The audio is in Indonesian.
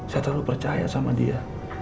saya terlalu percaya sama dia